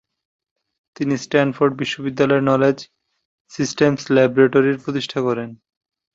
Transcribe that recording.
তিনি স্ট্যানফোর্ড বিশ্ববিদ্যালয়ে knowledge systems laboratory প্রতিষ্ঠা করেন।